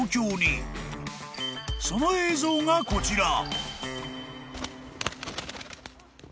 ［その映像がこちら］